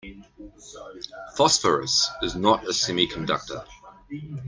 Phosphorus is not a semiconductor.